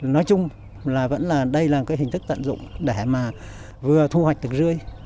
nói chung là vẫn là đây là cái hình thức tận dụng để mà vừa thu hoạch được rươi